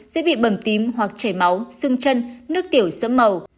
sẽ bị bầm tím hoặc chảy máu xương chân nước tiểu sẫm màu